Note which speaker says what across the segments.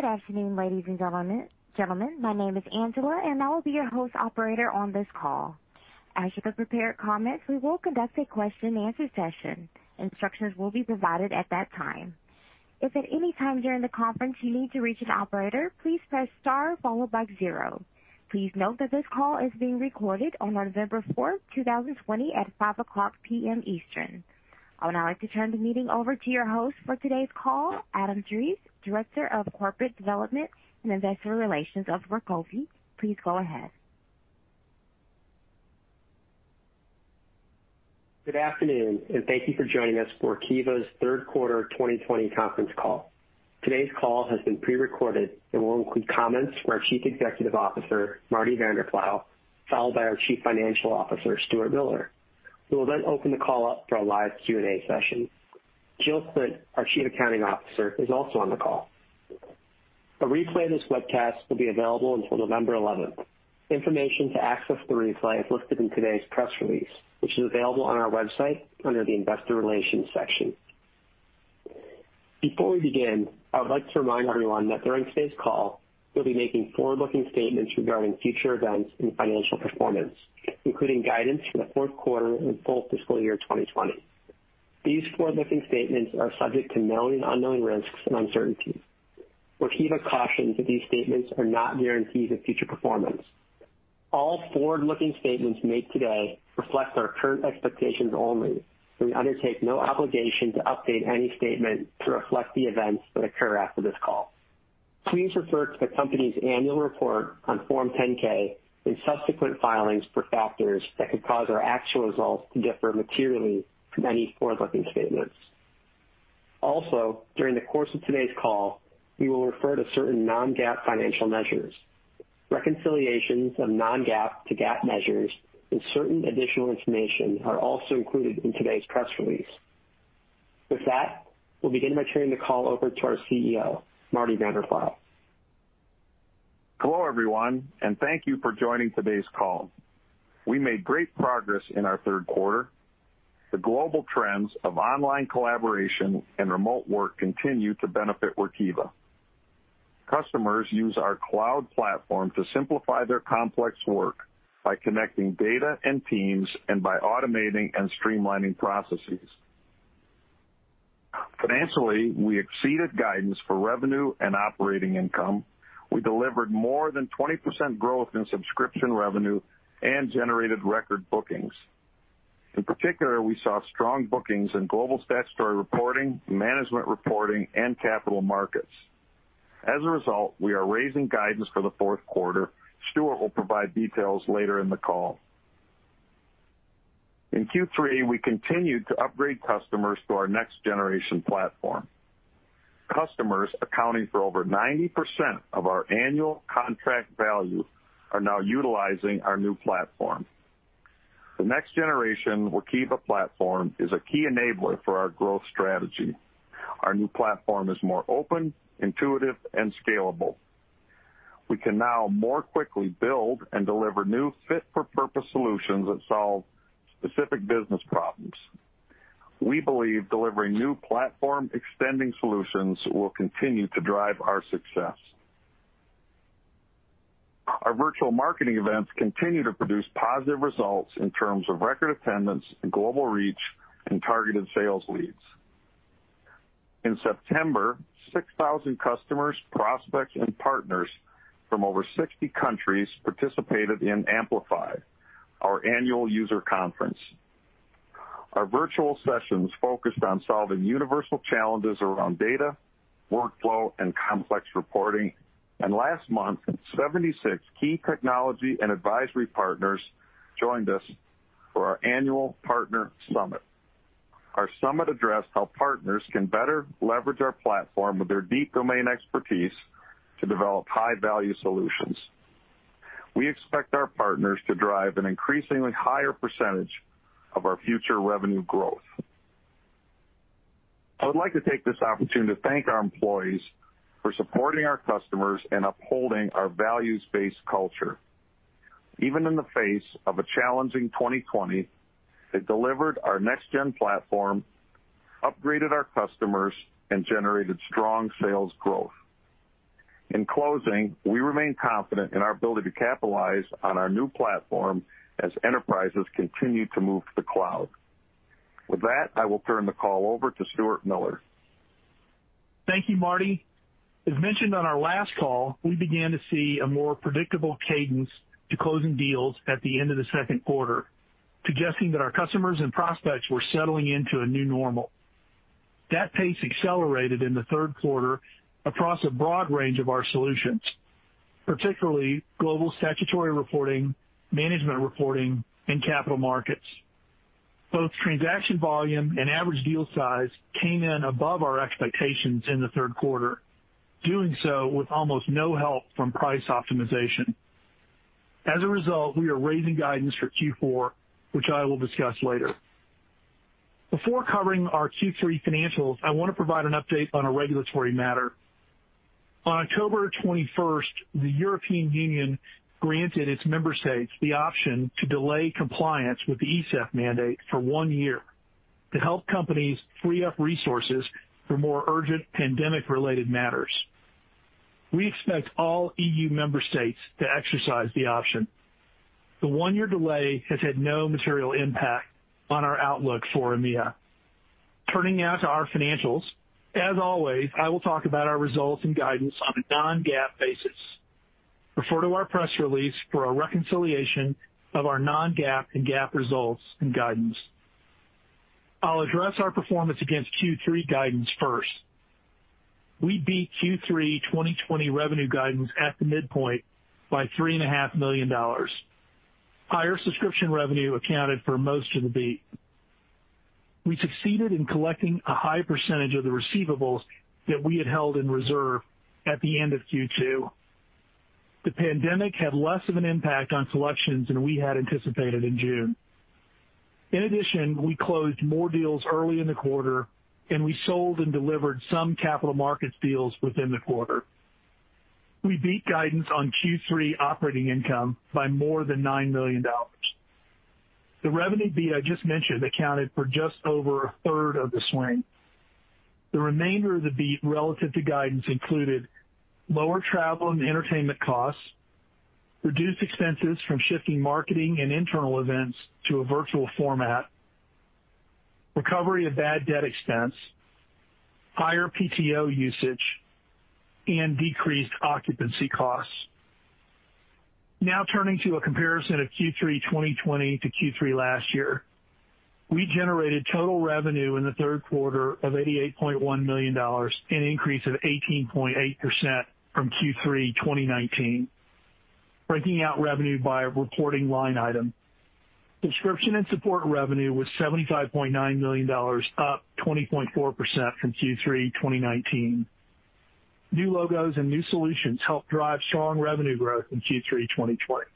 Speaker 1: Good afternoon, ladies and gentlemen. My name is Angela, and I will be your host operator on this call. As you have prepared comments, we will conduct a question-and-answer session. Instructions will be provided at that time. If at any time during the conference you need to reach an operator, please press star followed by zero. Please note that this call is being recorded on November 4th, 2020, at 5:00 P.M. Eastern. I would now like to turn the meeting over to your host for today's call, Adam Terese, Director of Corporate Development and Investor Relations of Workiva. Please go ahead.
Speaker 2: Good afternoon, and thank you for joining us for Workiva's third quarter 2020 conference call. Today's call has been pre-recorded and will include comments from our Chief Executive Officer, Marty Vanderploeg, followed by our Chief Financial Officer, Stuart Miller. We will then open the call up for a live Q&A session. Jill Klindt, our Chief Accounting Officer, is also on the call. A replay of this webcast will be available until November 11th. Information to access the replay is listed in today's press release, which is available on our website under the investor relations section. Before we begin, I would like to remind everyone that during today's call, we'll be making forward-looking statements regarding future events and financial performance, including guidance for the fourth quarter and full fiscal year 2020. These forward-looking statements are subject to known and unknown risks and uncertainties. Workiva cautions that these statements are not guarantees of future performance. All forward-looking statements made today reflect our current expectations only, and we undertake no obligation to update any statement to reflect the events that occur after this call. Please refer to the company's annual report on Form 10-K and subsequent filings for factors that could cause our actual results to differ materially from any forward-looking statements. Also, during the course of today's call, we will refer to certain non-GAAP financial measures. Reconciliations of non-GAAP to GAAP measures and certain additional information are also included in today's press release. With that, we'll begin by turning the call over to our CEO, Marty Vanderploeg.
Speaker 3: Hello, everyone, and thank you for joining today's call. We made great progress in our third quarter. The global trends of online collaboration and remote work continue to benefit Workiva. Customers use our cloud platform to simplify their complex work by connecting data and teams and by automating and streamlining processes. Financially, we exceeded guidance for revenue and operating income. We delivered more than 20% growth in subscription revenue and generated record bookings. In particular, we saw strong bookings in global statutory reporting, management reporting, and capital markets. As a result, we are raising guidance for the fourth quarter. Stuart will provide details later in the call. In Q3, we continued to upgrade customers to our next-generation platform. Customers accounting for over 90% of our annual contract value are now utilizing our new platform. The next-generation Workiva platform is a key enabler for our growth strategy. Our new platform is more open, intuitive, and scalable. We can now more quickly build and deliver new fit-for-purpose solutions that solve specific business problems. We believe delivering new platform extending solutions will continue to drive our success. Our virtual marketing events continue to produce positive results in terms of record attendance, global reach, and targeted sales leads. In September, 6,000 customers, prospects, and partners from over 60 countries participated in Amplify, our annual user conference. Our virtual sessions focused on solving universal challenges around data, workflow, and complex reporting. Last month, 76 key technology and advisory partners joined us for our annual Partner Summit. Our summit addressed how partners can better leverage our platform with their deep domain expertise to develop high-value solutions. We expect our partners to drive an increasingly higher percentage of our future revenue growth. I would like to take this opportunity to thank our employees for supporting our customers and upholding our values-based culture. Even in the face of a challenging 2020, they delivered our next gen platform, upgraded our customers, and generated strong sales growth. In closing, we remain confident in our ability to capitalize on our new platform as enterprises continue to move to the cloud. With that, I will turn the call over to Stuart Miller.
Speaker 4: Thank you, Marty. As mentioned on our last call, we began to see a more predictable cadence to closing deals at the end of the second quarter, suggesting that our customers and prospects were settling into a new normal. That pace accelerated in the third quarter across a broad range of our solutions, particularly Global Statutory Reporting, management reporting, and capital markets. Both transaction volume and average deal size came in above our expectations in the third quarter, doing so with almost no help from price optimization. As a result, we are raising guidance for Q4, which I will discuss later. Before covering our Q3 financials, I want to provide an update on a regulatory matter. On October 21st, the European Union granted its member states the option to delay compliance with the ESEF mandate for one year To help companies free up resources for more urgent pandemic-related matters. We expect all E.U. member states to exercise the option. The one-year delay has had no material impact on our outlook for EMEA. Turning now to our financials. As always, I will talk about our results and guidance on a non-GAAP basis. Refer to our press release for a reconciliation of our non-GAAP and GAAP results and guidance. I'll address our performance against Q3 guidance first. We beat Q3 2020 revenue guidance at the midpoint by $3.5 million. Higher subscription revenue accounted for most of the beat. We succeeded in collecting a high percentage of the receivables that we had held in reserve at the end of Q2. The pandemic had less of an impact on collections than we had anticipated in June. In addition, we closed more deals early in the quarter, and we sold and delivered some capital markets deals within the quarter. We beat guidance on Q3 operating income by more than $9 million. The revenue beat I just mentioned accounted for just over a third of the swing. The remainder of the beat relative to guidance included lower travel and entertainment costs, reduced expenses from shifting marketing and internal events to a virtual format, recovery of bad debt expense, higher PTO usage, and decreased occupancy costs. Turning to a comparison of Q3 2020 to Q3 last year. We generated total revenue in the third quarter of $88.1 million, an increase of 18.8% from Q3 2019. Breaking out revenue by reporting line item. Subscription and support revenue was $75.9 million, up 20.4% from Q3 2019. New logos and new solutions helped drive strong revenue growth in Q3 2020.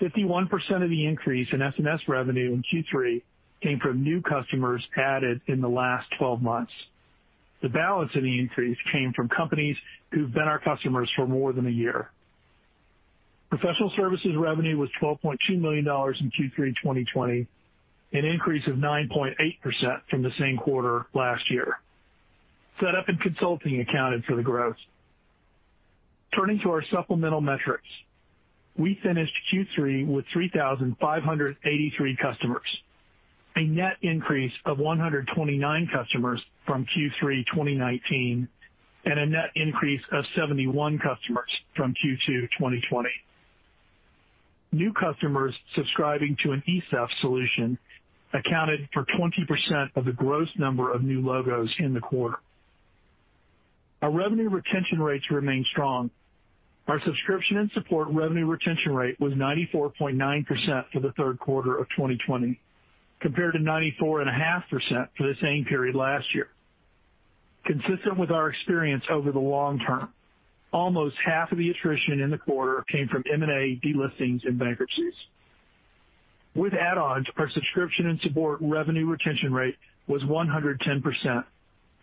Speaker 4: 51% of the increase in S&S revenue in Q3 came from new customers added in the last 12 months. The balance of the increase came from companies who've been our customers for more than one year. Professional services revenue was $12.2 million in Q3 2020, an increase of 9.8% from the same quarter last year. Setup and consulting accounted for the growth. Turning to our supplemental metrics. We finished Q3 with 3,583 customers, a net increase of 129 customers from Q3 2019 and a net increase of 71 customers from Q2 2020. New customers subscribing to an ESEF solution accounted for 20% of the gross number of new logos in the quarter. Our revenue retention rates remain strong. Our subscription and support revenue retention rate was 94.9% for the third quarter of 2020, compared to 94.5% for the same period last year. Consistent with our experience over the long term, almost half of the attrition in the quarter came from M&A delistings and bankruptcies. With add-ons, our subscription and support revenue retention rate was 110%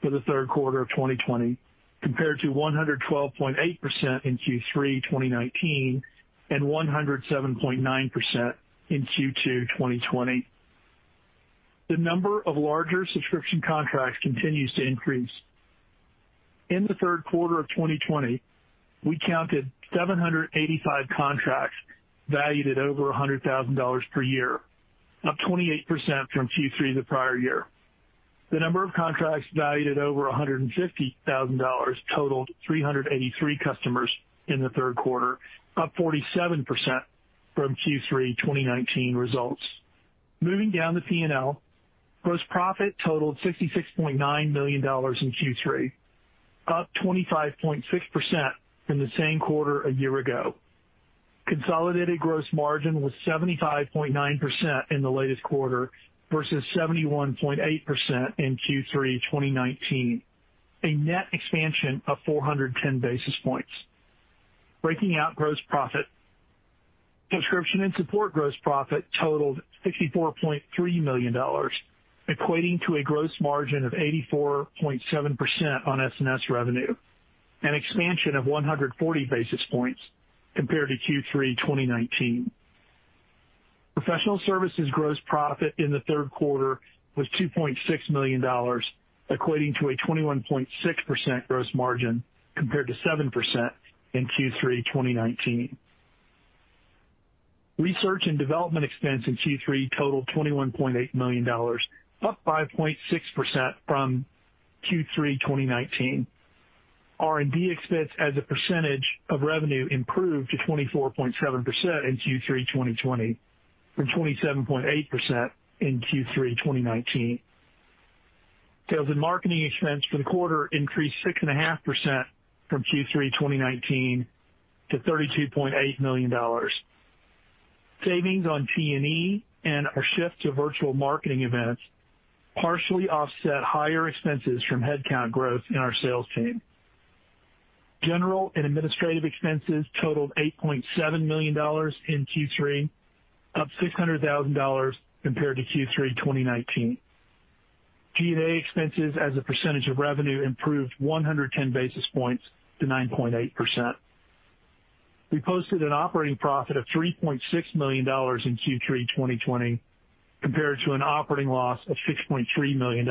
Speaker 4: for the third quarter of 2020, compared to 112.8% in Q3 2019 and 107.9% in Q2 2020. The number of larger subscription contracts continues to increase. In the third quarter of 2020, we counted 785 contracts valued at over $100,000 per year, up 28% from Q3 the prior year. The number of contracts valued at over $150,000 totaled 383 customers in the third quarter, up 47% from Q3 2019 results. Moving down the P&L, gross profit totaled $66.9 million in Q3, up 25.6% from the same quarter a year ago. Consolidated gross margin was 75.9% in the latest quarter versus 71.8% in Q3 2019, a net expansion of 410 basis points. Breaking out gross profit. Subscription and support gross profit totaled $64.3 million, equating to a gross margin of 84.7% on S&S revenue, an expansion of 140 basis points compared to Q3 2019. Professional services gross profit in the third quarter was $2.6 million, equating to a 21.6% gross margin, compared to 7% in Q3 2019. Research and development expense in Q3 totaled $21.8 million, up 5.6% from Q3 2019. R&D expense as a percentage of revenue improved to 24.7% in Q3 2020, from 27.8% in Q3 2019. Sales and marketing expense for the quarter increased 6.5% from Q3 2019 to $32.8 million. Savings on T&E and our shift to virtual marketing events partially offset higher expenses from headcount growth in our sales team. General and administrative expenses totaled $8.7 million in Q3, up $600,000 compared to Q3 2019. G&A expenses as a percentage of revenue improved 110 basis points to 9.8%. We posted an operating profit of $3.6 million in Q3 2020, compared to an operating loss of $6.3 million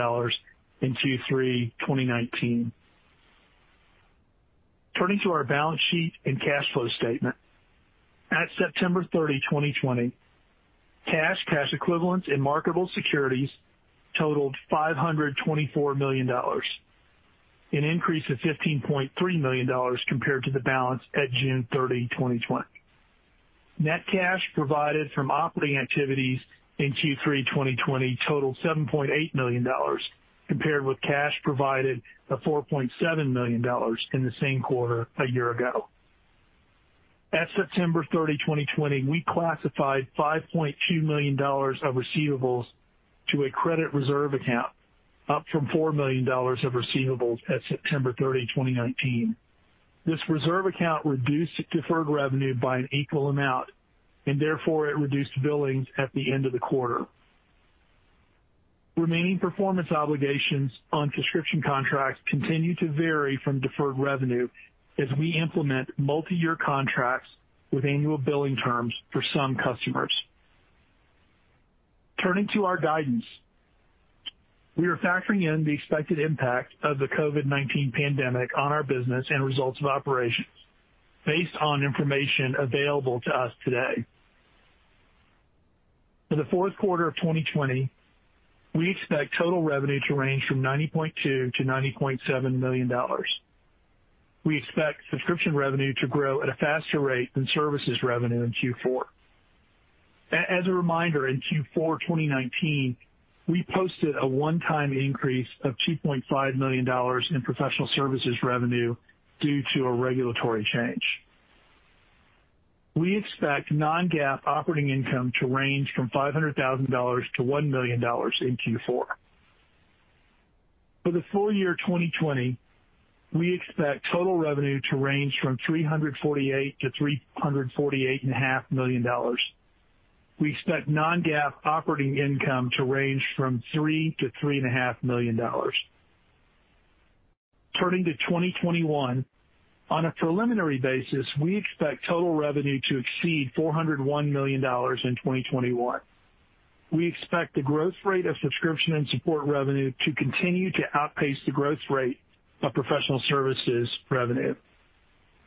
Speaker 4: in Q3 2019. Turning to our balance sheet and cash flow statement. At September 30, 2020, cash equivalents, and marketable securities totaled $524 million, an increase of $15.3 million compared to the balance at June 30, 2020. Net cash provided from operating activities in Q3 2020 totaled $7.8 million, compared with cash provided of $4.7 million in the same quarter a year ago. At September 30, 2020, we classified $5.2 million of receivables to a credit reserve account, up from $4 million of receivables at September 30, 2019. This reserve account reduced deferred revenue by an equal amount, and therefore, it reduced billings at the end of the quarter. Remaining performance obligations on subscription contracts continue to vary from deferred revenue as we implement multi-year contracts with annual billing terms for some customers. Turning to our guidance. We are factoring in the expected impact of the COVID-19 pandemic on our business and results of operations based on information available to us today. For the fourth quarter of 2020, we expect total revenue to range from $90.2 million-$90.7 million. We expect subscription revenue to grow at a faster rate than services revenue in Q4. As a reminder, in Q4 2019, we posted a one-time increase of $2.5 million in professional services revenue due to a regulatory change. We expect non-GAAP operating income to range from $500,000-$1 million in Q4. For the full year 2020, we expect total revenue to range from $348 million-$348.5 million. We expect non-GAAP operating income to range from $3 million-$3.5 million. Turning to 2021. On a preliminary basis, we expect total revenue to exceed $401 million in 2021. We expect the growth rate of subscription and support revenue to continue to outpace the growth rate of professional services revenue.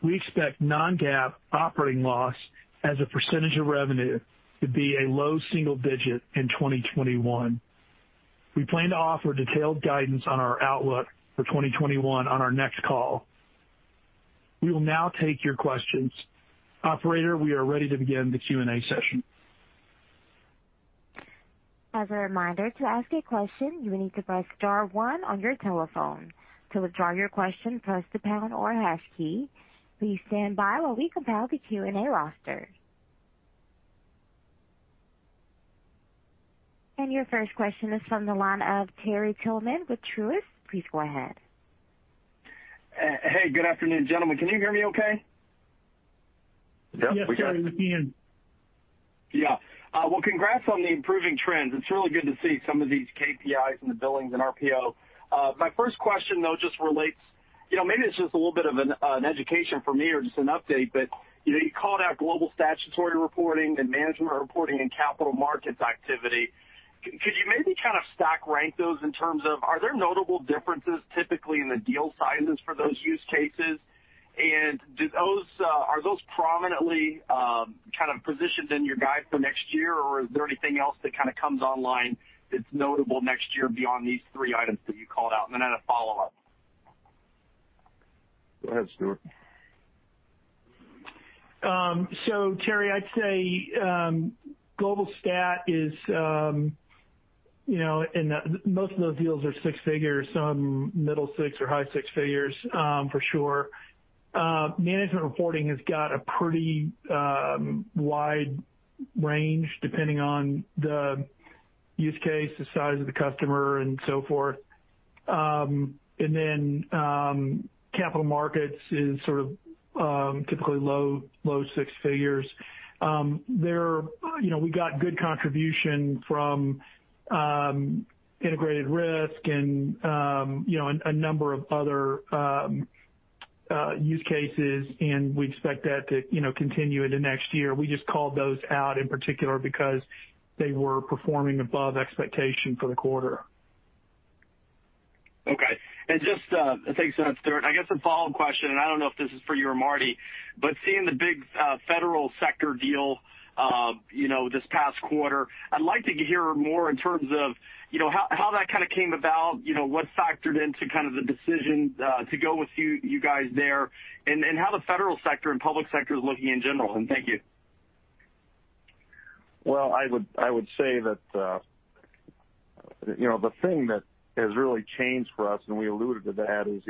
Speaker 4: We expect non-GAAP operating loss as a percentage of revenue to be a low single digit in 2021. We plan to offer detailed guidance on our outlook for 2021 on our next call. We will now take your questions. Operator, we are ready to begin the Q&A session.
Speaker 1: As a reminder, to ask a question, you will need to press star one on your telephone. To withdraw your question, press the pound or hash key. Please stand by while we compile the Q&A roster. Your first question is from the line of Terry Tillman with Truist. Please go ahead.
Speaker 5: Hey, good afternoon, gentlemen. Can you hear me okay?
Speaker 4: Yep, we can. Yes, sir, we can.
Speaker 5: Yeah. Well, congrats on the improving trends. It's really good to see some of these KPIs in the billings and RPO. My first question, though, just relates, maybe it's just a little bit of an education for me or just an update, but you called out Global Statutory Reporting and management reporting and capital markets activity. Could you maybe kind of stack rank those in terms of, are there notable differences typically in the deal sizes for those use cases? Are those prominently kind of positioned in your guide for next year? Is there anything else that kind of comes online that's notable next year beyond these three items that you called out? I had a follow-up.
Speaker 3: Go ahead, Stuart.
Speaker 4: Terry, I'd say Global Stat is, and most of those deals are six figures, some middle six or high six figures, for sure. Management reporting has got a pretty wide range depending on the use case, the size of the customer, and so forth. Capital markets is sort of typically low six figures. We got good contribution from integrated risk and a number of other use cases, and we expect that to continue into next year. We just called those out in particular because they were performing above expectation for the quarter.
Speaker 5: Okay. Thanks for that, Stuart. I guess a follow-up question, and I don't know if this is for you or Marty, but seeing the big federal sector deal this past quarter, I'd like to hear more in terms of how that kind of came about, what factored into kind of the decision to go with you guys there, and how the federal sector and public sector is looking in general. Thank you.
Speaker 3: Well, I would say that the thing that has really changed for us, and we alluded to that, is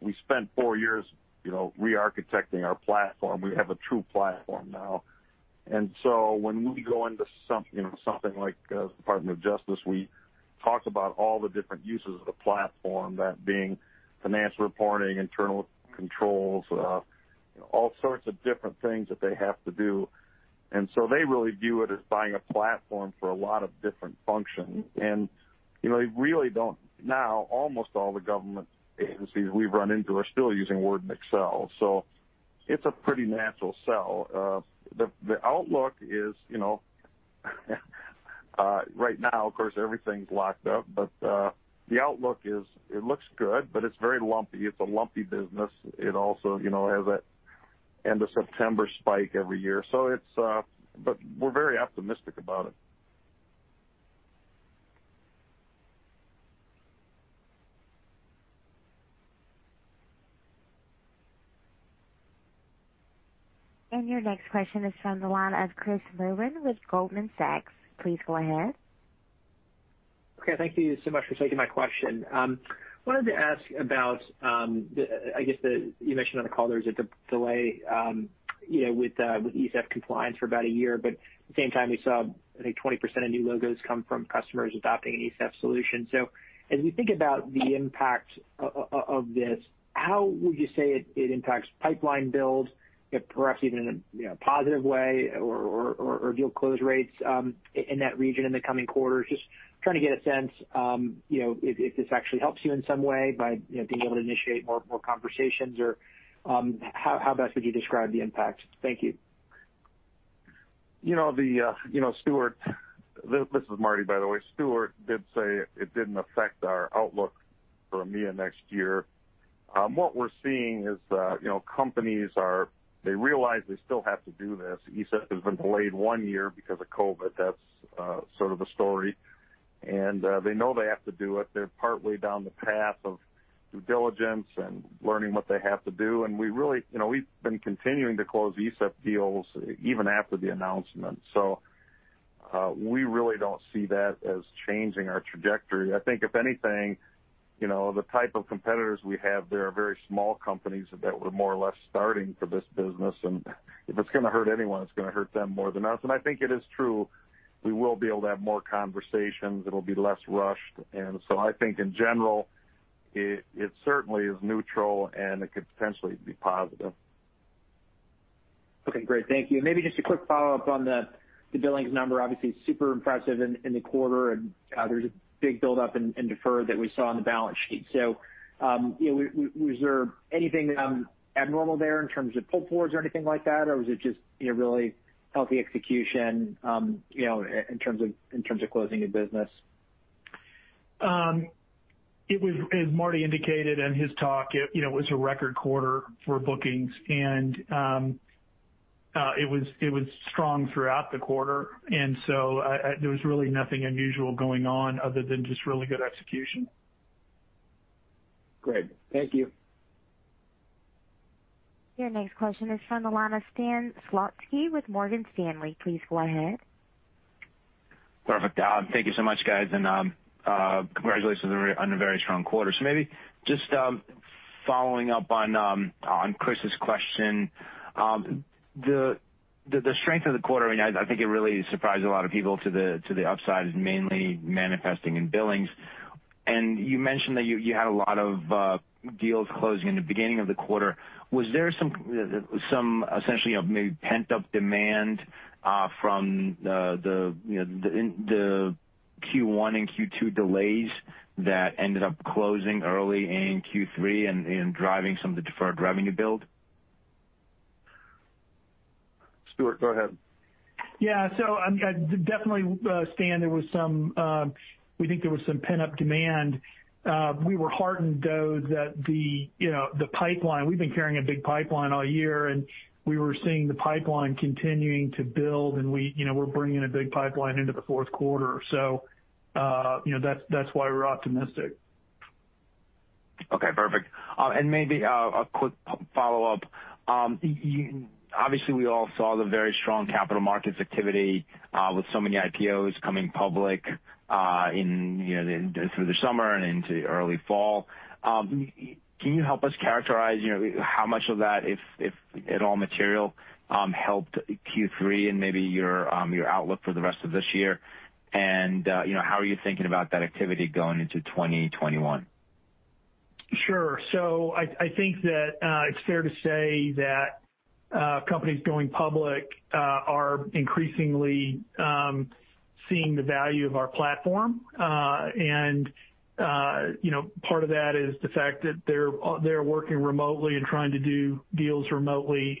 Speaker 3: we spent four years re-architecting our platform. We have a true platform now. When we go into something like Department of Justice, we talk about all the different uses of the platform, that being financial reporting, internal controls, all sorts of different things that they have to do. They really view it as buying a platform for a lot of different functions. They really don't. Now almost all the government agencies we've run into are still using Word and Excel, so it's a pretty natural sell. The outlook is right now, of course, everything's locked up, but the outlook is it looks good, but it's very lumpy. It's a lumpy business. It also has that end of September spike every year. We're very optimistic about it.
Speaker 1: Your next question is from the line of Chris Merwin with Goldman Sachs. Please go ahead.
Speaker 6: Okay. Thank you so much for taking my question. Wanted to ask about the, you mentioned on the call there was a delay with ESEF compliance for about a year. At the same time, we saw, I think, 20% of new logos come from customers adopting an ESEF solution. As we think about the impact of this, how would you say it impacts pipeline build, perhaps even in a positive way or deal close rates in that region in the coming quarters? Just trying to get a sense if this actually helps you in some way by being able to initiate more conversations or how best would you describe the impact? Thank you.
Speaker 3: Stuart, this is Marty, by the way. Stuart did say it didn't affect our outlook for EMEA next year. They realize they still have to do this. ESEF has been delayed one year because of COVID, that's sort of the story. They know they have to do it. They're partway down the path of due diligence and learning what they have to do. We've been continuing to close ESEF deals even after the announcement. We really don't see that as changing our trajectory. I think if anything, the type of competitors we have there are very small companies that were more or less starting for this business, and if it's going to hurt anyone, it's going to hurt them more than us. I think it is true, we will be able to have more conversations. It'll be less rushed. I think in general, it certainly is neutral, and it could potentially be positive.
Speaker 6: Okay, great. Thank you. Maybe just a quick follow-up on the billings number, obviously super impressive in the quarter, there's a big buildup in deferred that we saw on the balance sheet. Was there anything abnormal there in terms of pull-forwards or anything like that, or was it just really healthy execution in terms of closing of business?
Speaker 4: It was, as Marty indicated in his talk, it was a record quarter for bookings. It was strong throughout the quarter. There was really nothing unusual going on other than just really good execution.
Speaker 6: Great. Thank you.
Speaker 1: Your next question is from the line of Stan Zlotsky with Morgan Stanley. Please go ahead.
Speaker 7: Perfect. Thank you so much, guys, and congratulations on a very strong quarter. Maybe just following up on Chris's question. The strength of the quarter, and I think it really surprised a lot of people to the upside as mainly manifesting in billings, and you mentioned that you had a lot of deals closing in the beginning of the quarter. Was there some essentially maybe pent-up demand from the Q1 and Q2 delays that ended up closing early in Q3 and in driving some of the deferred revenue build?
Speaker 3: Stuart, go ahead.
Speaker 4: Yeah. Definitely, Stan, we think there was some pent-up demand. We were heartened, though, that the pipeline, we've been carrying a big pipeline all year, and we were seeing the pipeline continuing to build, and we're bringing a big pipeline into the fourth quarter. That's why we're optimistic.
Speaker 7: Okay, perfect. Maybe a quick follow-up. Obviously, we all saw the very strong capital markets activity with so many IPOs coming public through the summer and into early fall. Can you help us characterize how much of that, if at all material, helped Q3 and maybe your outlook for the rest of this year? How are you thinking about that activity going into 2021?
Speaker 4: Sure. I think that it's fair to say that companies going public are increasingly seeing the value of our platform. Part of that is the fact that they're working remotely and trying to do deals remotely.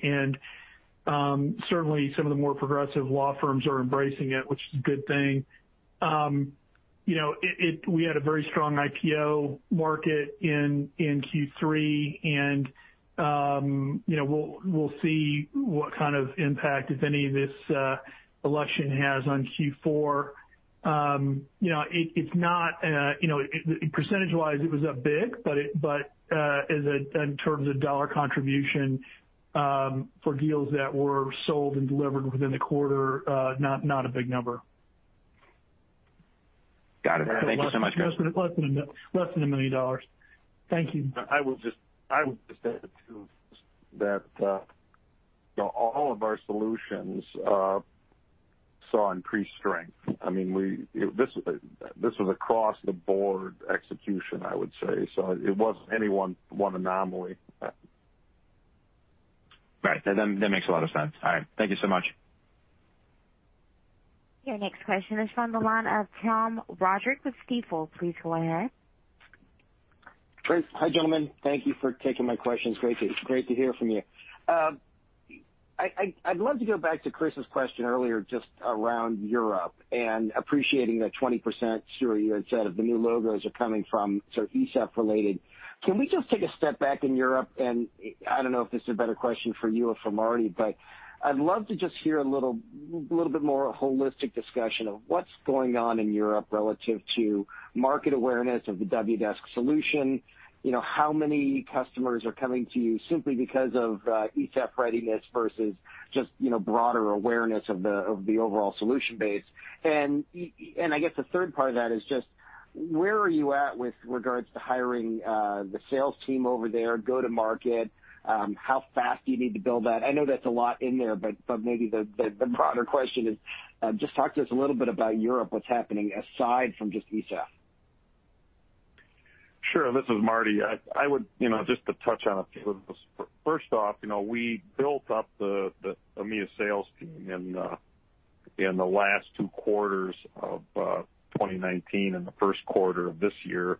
Speaker 4: Certainly, some of the more progressive law firms are embracing it, which is a good thing. We had a very strong IPO market in Q3, and we'll see what kind of impact, if any, of this election has on Q4. Percentage-wise, it was up big, but in terms of dollar contribution for deals that were sold and delivered within the quarter, not a big number.
Speaker 7: Got it. Thank you so much.
Speaker 4: Less than $1 million. Thank you.
Speaker 3: I would just add to that all of our solutions saw increased strength. This was across-the-board execution, I would say. It wasn't any one anomaly.
Speaker 7: Right. That makes a lot of sense. All right. Thank you so much.
Speaker 1: Your next question is from the line of Tom Roderick with Stifel. Please go ahead.
Speaker 8: Great. Hi, gentlemen. Thank you for taking my questions. Great to hear from you. I'd love to go back to Chris's question earlier, just around Europe. Appreciating that 20%, Stuart, you had said, of the new logos are coming from ESEF related. Can we just take a step back in Europe and, I don't know if this is a better question for you or for Marty, but I'd love to just hear a little bit more holistic discussion of what's going on in Europe relative to market awareness of the Wdesk solution. How many customers are coming to you simply because of ESEF readiness versus just broader awareness of the overall solution base. I guess the third part of that is just where are you at with regards to hiring the sales team over there, go to market? How fast do you need to build that? I know that's a lot in there, but maybe the broader question is just talk to us a little bit about Europe, what's happening aside from just ESEF.
Speaker 3: Sure. This is Marty. Just to touch on a few of those. First off, we built up the EMEA sales team in the last two quarters of 2019 and the first quarter of this year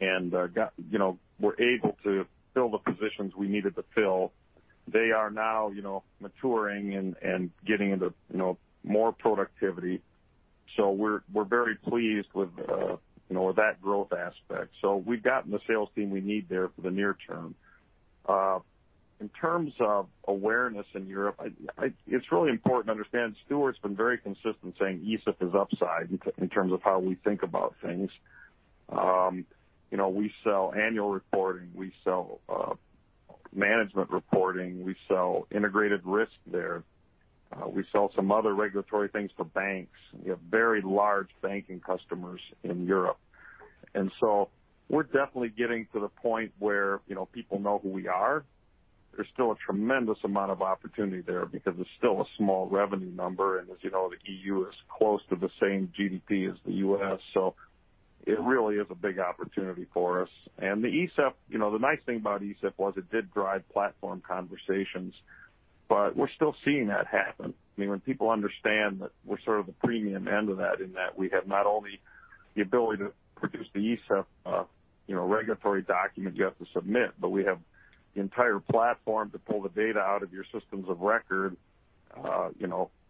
Speaker 3: and were able to fill the positions we needed to fill. They are now maturing and getting into more productivity. We're very pleased with that growth aspect. We've gotten the sales team we need there for the near term. In terms of awareness in Europe, it's really important to understand Stuart's been very consistent saying ESEF is upside in terms of how we think about things. We sell annual reporting. We sell management reporting. We sell integrated risk there. We sell some other regulatory things for banks. We have very large banking customers in Europe. We're definitely getting to the point where people know who we are. There's still a tremendous amount of opportunity there because it's still a small revenue number. As you know, the E.U. is close to the same GDP as the U.S., it really is a big opportunity for us. The nice thing about ESEF was it did drive platform conversations, we're still seeing that happen. When people understand that we're sort of the premium end of that, in that we have not only the ability to produce the ESEF regulatory document you have to submit, but we have the entire platform to pull the data out of your systems of record,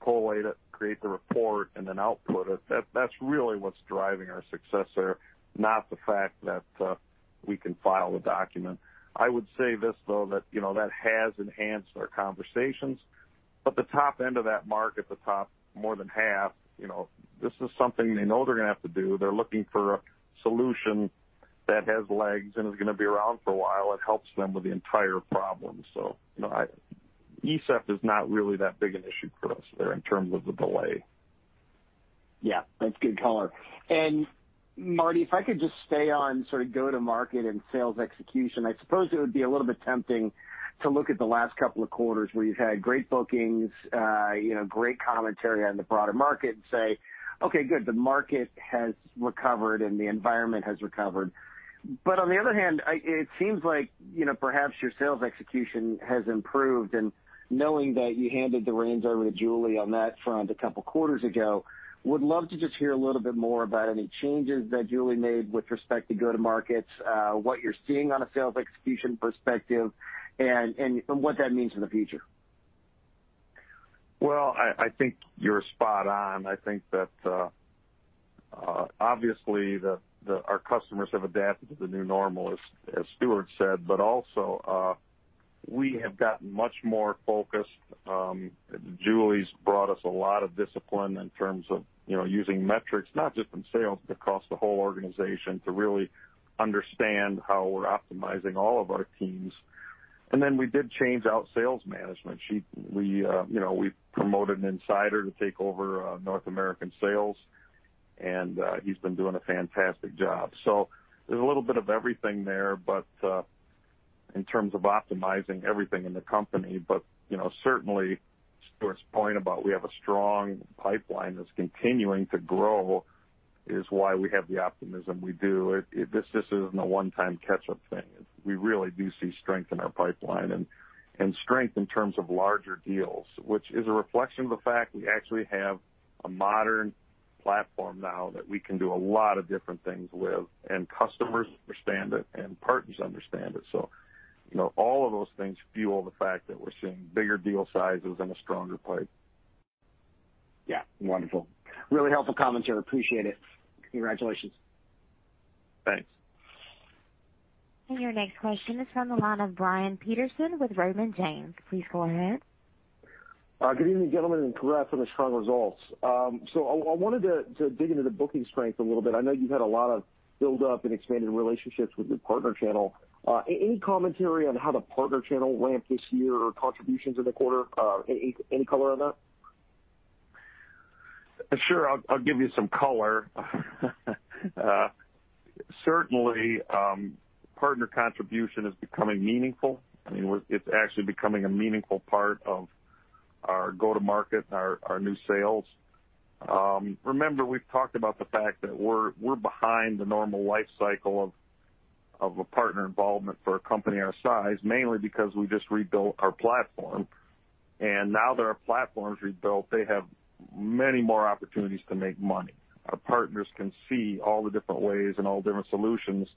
Speaker 3: collate it, create the report, and then output it. That's really what's driving our success there, not the fact that we can file the document. I would say this, though, that has enhanced our conversations. The top end of that market, the top more than half, this is something they know they're going to have to do. They're looking for a solution that has legs and is going to be around for a while. It helps them with the entire problem. ESEF is not really that big an issue for us there in terms of the delay.
Speaker 8: Yeah, that's good color. Marty, if I could just stay on sort of go-to-market and sales execution. I suppose it would be a little bit tempting to look at the last couple of quarters where you've had great bookings, great commentary on the broader market and say, "Okay, good, the market has recovered and the environment has recovered." On the other hand, it seems like perhaps your sales execution has improved. Knowing that you handed the reins over to Julie on that front a couple of quarters ago, would love to just hear a little bit more about any changes that Julie made with respect to go-to-markets, what you're seeing on a sales execution perspective, and what that means in the future.
Speaker 3: Well, I think you're spot on. I think that obviously our customers have adapted to the new normal, as Stuart said. Also, we have gotten much more focused. Julie's brought us a lot of discipline in terms of using metrics, not just in sales, but across the whole organization to really understand how we're optimizing all of our teams. Then we did change out sales management. We promoted an insider to take over North American sales, and he's been doing a fantastic job. There's a little bit of everything there, but in terms of optimizing everything in the company. Certainly Stuart's point about we have a strong pipeline that's continuing to grow is why we have the optimism we do. This isn't a one-time catch-up thing. We really do see strength in our pipeline and strength in terms of larger deals, which is a reflection of the fact we actually have a modern platform now that we can do a lot of different things with, and customers understand it, and partners understand it. All of those things fuel the fact that we're seeing bigger deal sizes and a stronger pipe.
Speaker 8: Yeah. Wonderful. Really helpful commentary. Appreciate it. Congratulations.
Speaker 3: Thanks.
Speaker 1: Your next question is from the line of Brian Peterson with Raymond James. Please go ahead.
Speaker 9: Good evening, gentlemen, and congrats on the strong results. I wanted to dig into the booking strength a little bit. I know you've had a lot of build up and expanded relationships with your partner channel. Any commentary on how the partner channel ramped this year or contributions in the quarter? Any color on that?
Speaker 3: Sure. I'll give you some color. Certainly, partner contribution is becoming meaningful. It's actually becoming a meaningful part of our go-to-market, our new sales. Remember, we've talked about the fact that we're behind the normal life cycle of a partner involvement for a company our size, mainly because we just rebuilt our platform. Now that our platform is rebuilt, they have many more opportunities to make money. Our partners can see all the different ways and all the different solutions,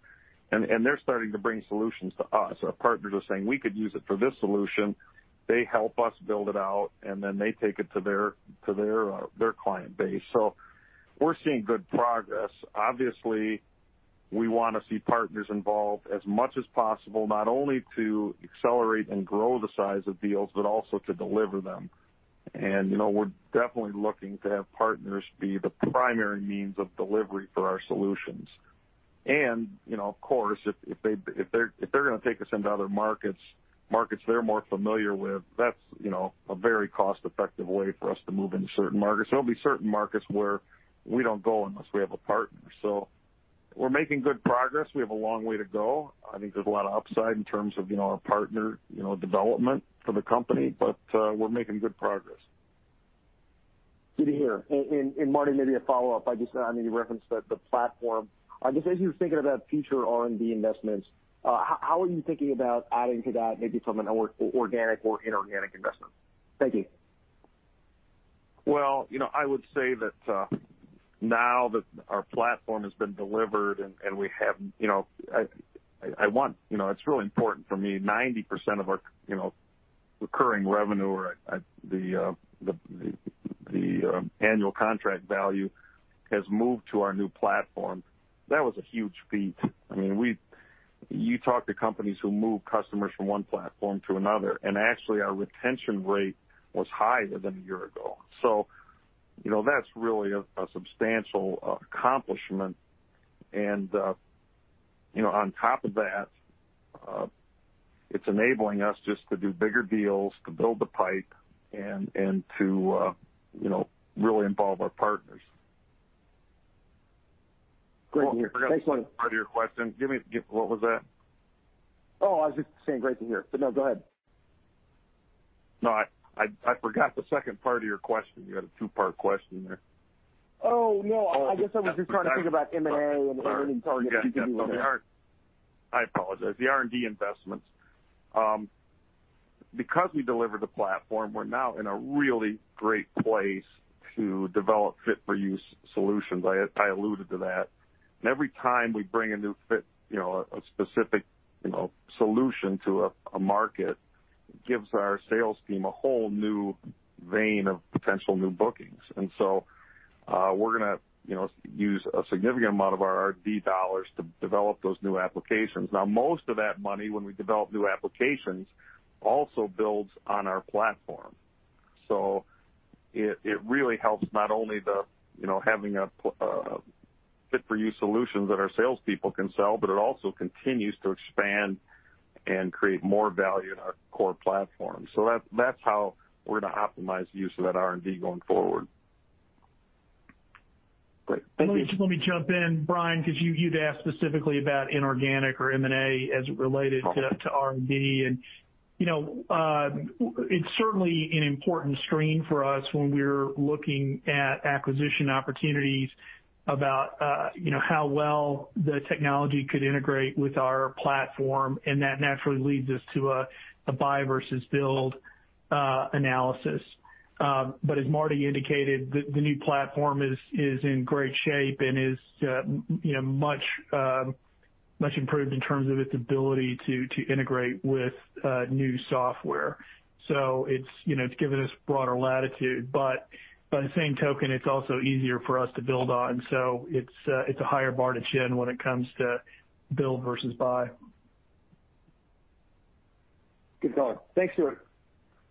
Speaker 3: and they're starting to bring solutions to us. Our partners are saying, "We could use it for this solution." They help us build it out, and then they take it to their client base. We're seeing good progress. Obviously, we want to see partners involved as much as possible, not only to accelerate and grow the size of deals, but also to deliver them. We're definitely looking to have partners be the primary means of delivery for our solutions. Of course, if they're going to take us into other markets they're more familiar with, that's a very cost-effective way for us to move into certain markets. There'll be certain markets where we don't go unless we have a partner. We're making good progress. We have a long way to go. I think there's a lot of upside in terms of our partner development for the company, but we're making good progress.
Speaker 9: Good to hear. Marty, maybe a follow-up. I know you referenced the platform. Just as you're thinking about future R&D investments, how are you thinking about adding to that, maybe from an organic or inorganic investment? Thank you.
Speaker 3: Well, I would say that now that our platform has been delivered, and it's really important for me, 90% of our recurring revenue or the annual contract value has moved to our new platform. That was a huge feat. You talk to companies who move customers from one platform to another, and actually, our retention rate was higher than a year ago. That's really a substantial accomplishment. On top of that, it's enabling us just to do bigger deals, to build the pipe, and to really involve our partners.
Speaker 9: Great to hear. Thanks, Marty.
Speaker 3: I forgot the second part of your question. What was that?
Speaker 9: Oh, I was just saying great to hear. No, go ahead.
Speaker 3: No, I forgot the second part of your question. You had a two-part question there.
Speaker 9: Oh, no, I guess I was just trying to think about M&A and any targets you could do there.
Speaker 3: I apologize. The R&D investments. We delivered the platform, we're now in a really great place to develop fit-for-use solutions. I alluded to that. Every time we bring a new fit, a specific solution to a market, gives our sales team a whole new vein of potential new bookings. We're going to use a significant amount of our R&D dollars to develop those new applications. Now, most of that money when we develop new applications also builds on our platform. It really helps not only the having a fit-for-use solution that our salespeople can sell, but it also continues to expand and create more value in our core platform. That's how we're going to optimize the use of that R&D going forward.
Speaker 9: Great. Thank you.
Speaker 4: Let me jump in, Brian, because you'd asked specifically about inorganic or M&A as it related to R&D. It's certainly an important stream for us when we're looking at acquisition opportunities about how well the technology could integrate with our platform, and that naturally leads us to a buy versus build analysis. As Marty indicated, the new platform is in great shape and is much improved in terms of its ability to integrate with new software. It's given us broader latitude. By the same token, it's also easier for us to build on. It's a higher bar to chin when it comes to build versus buy.
Speaker 9: Good call. Thanks, Stuart.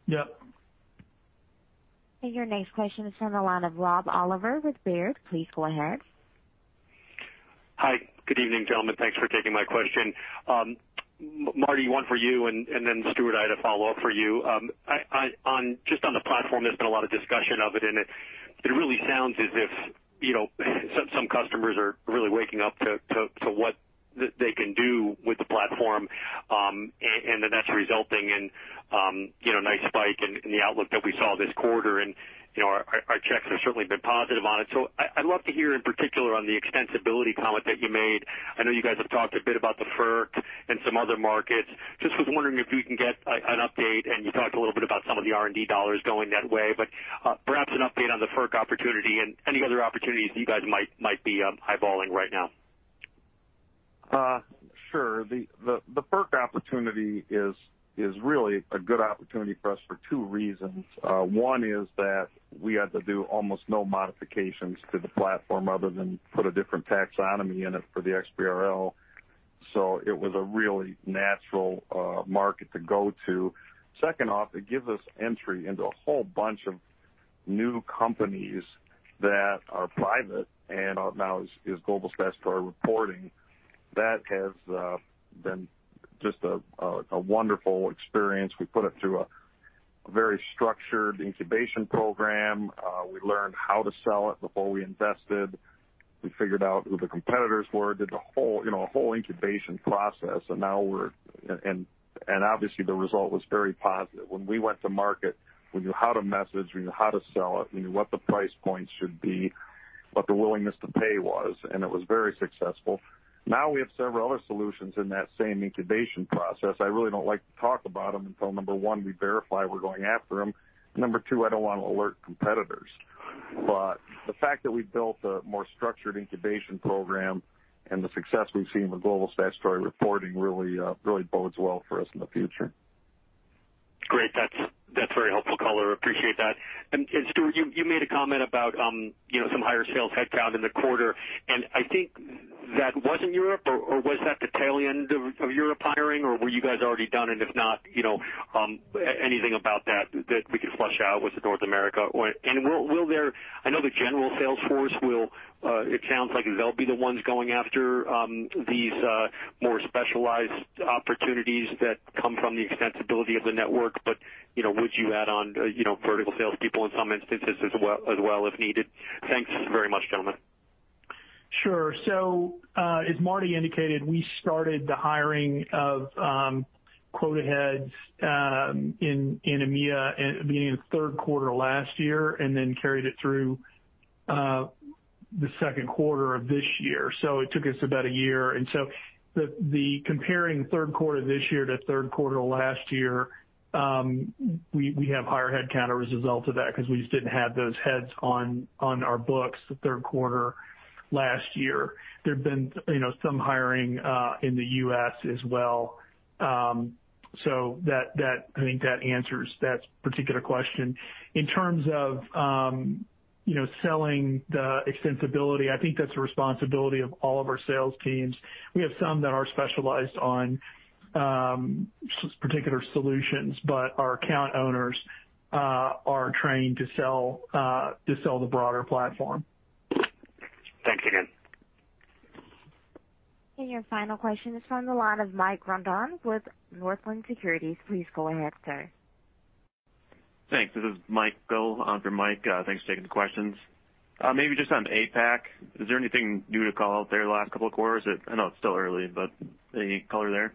Speaker 4: Yep.
Speaker 1: Your next question is from the line of Rob Oliver with Baird. Please go ahead.
Speaker 10: Hi. Good evening, gentlemen. Thanks for taking my question. Marty, one for you, and then Stuart, I had a follow-up for you. Just on the platform, there's been a lot of discussion of it, and it really sounds as if some customers are really waking up to what they can do with the platform, and then that's resulting in a nice spike in the outlook that we saw this quarter, and our checks have certainly been positive on it. I'd love to hear in particular on the extensibility comment that you made. I know you guys have talked a bit about the FERC and some other markets. Just was wondering if we can get an update, and you talked a little bit about some of the R&D dollars going that way, but perhaps an update on the FERC opportunity and any other opportunities you guys might be eyeballing right now.
Speaker 3: Sure. The FERC opportunity is really a good opportunity for us for two reasons. One is that we had to do almost no modifications to the platform other than put a different taxonomy in it for the XBRL. It was a really natural market to go to. Second off, it gives us entry into a whole bunch of new companies that are private and are now as Global Statutory Reporting. That has been just a wonderful experience. We put it through a very structured incubation program. We learned how to sell it before we invested. We figured out who the competitors were, did a whole incubation process. Obviously the result was very positive. When we went to market, we knew how to message, we knew how to sell it, we knew what the price point should be, what the willingness to pay was. It was very successful. We have several other solutions in that same incubation process. I really don't like to talk about them until, number one, we verify we're going after them, number two, I don't want to alert competitors. The fact that we built a more structured incubation program and the success we've seen with Global Statutory Reporting really bodes well for us in the future.
Speaker 10: Great. That's very helpful color. Appreciate that. Stuart, you made a comment about some higher sales headcount in the quarter, and I think that was in Europe, or was that the tail end of Europe hiring, or were you guys already done? If not, anything about that we could flush out? Was it North America? It sounds like they'll be the ones going after these more specialized opportunities that come from the extensibility of the network. Would you add on vertical salespeople in some instances as well if needed? Thanks very much, gentlemen.
Speaker 4: Sure. As Marty indicated, we started the hiring of quota heads in EMEA beginning of third quarter last year and then carried it through the second quarter of this year, so it took us about one year. Comparing third quarter this year to third quarter last year, we have higher head count as a result of that because we just didn't have those heads on our books the third quarter last year. There've been some hiring in the U.S. as well. I think that answers that particular question. In terms of selling the extensibility, I think that's a responsibility of all of our sales teams. We have some that are specialized on particular solutions, but our account owners are trained to sell the broader platform.
Speaker 10: Thanks again.
Speaker 1: Your final question is from the line of Mike Rondon with Northland Securities. Please go ahead, sir.
Speaker 11: Thanks. This is Michael, for Mike. Thanks for taking the questions. Maybe just on APAC. Is there anything new to call out there the last couple of quarters? I know it's still early, but any color there?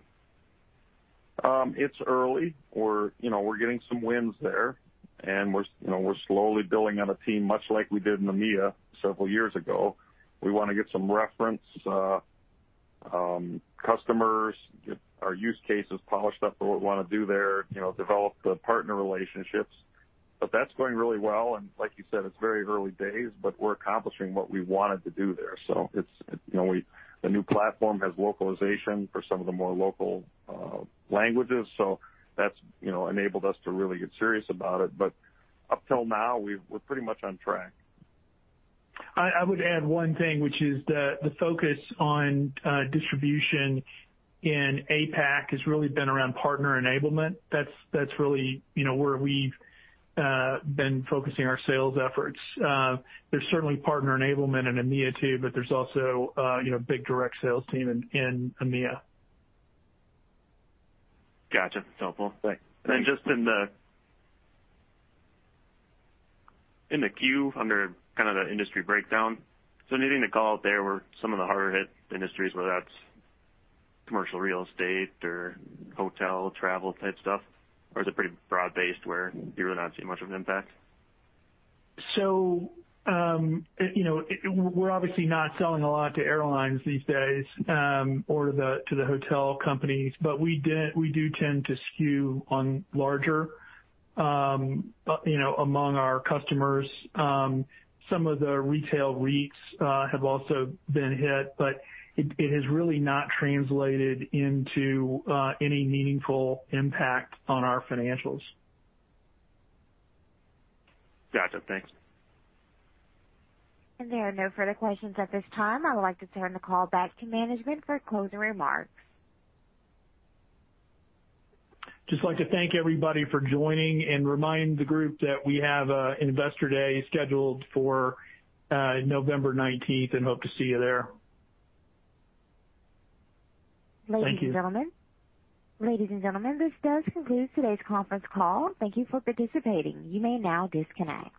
Speaker 3: It's early. We're getting some wins there, and we're slowly building out a team, much like we did in EMEA several years ago. We want to get some reference customers, get our use cases polished up the way we want to do there, develop the partner relationships. That's going really well, and like you said, it's very early days, but we're accomplishing what we wanted to do there. The new platform has localization for some of the more local languages, so that's enabled us to really get serious about it. Up till now, we're pretty much on track.
Speaker 4: I would add one thing, which is the focus on distribution in APAC has really been around partner enablement. That's really where we've been focusing our sales efforts. There's certainly partner enablement in EMEA too, but there's also a big direct sales team in EMEA.
Speaker 11: Gotcha. That's helpful. Thanks.
Speaker 4: Thanks.
Speaker 11: Just in the queue, under kind of the industry breakdown, is there anything to call out there where some of the harder hit industries, whether that's commercial real estate or hotel, travel type stuff, or is it pretty broad-based where you really not seeing much of an impact?
Speaker 4: We're obviously not selling a lot to airlines these days, or to the hotel companies, but we do tend to skew on larger among our customers. Some of the retail REITs have also been hit, but it has really not translated into any meaningful impact on our financials.
Speaker 11: Gotcha. Thanks.
Speaker 1: There are no further questions at this time. I would like to turn the call back to management for closing remarks.
Speaker 4: Just like to thank everybody for joining and remind the group that we have Investor Day scheduled for November 19th and hope to see you there.
Speaker 3: Thank you.
Speaker 1: Ladies and gentlemen, this does conclude today's conference call. Thank you for participating. You may now disconnect.